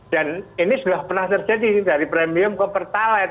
dan ini sudah pernah terjadi dari premium ke pertalit